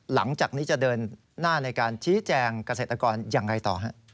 หลังจากนี้จะเดินหน้าในการชี้แจงเกษตรกรยังไงต่อฮะ